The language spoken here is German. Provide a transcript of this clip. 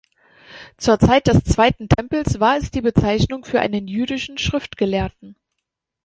Zur Zeit des zweiten Tempels war es die Bezeichnung für einen jüdischen Schriftgelehrten.